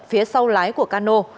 phía sau lái của cano